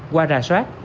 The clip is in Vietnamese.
qua rà soát